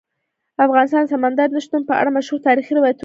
افغانستان د سمندر نه شتون په اړه مشهور تاریخی روایتونه لري.